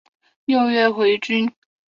六月回军。